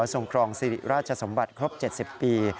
ทรงครองสิริราชสมบัติครบ๗๐ปี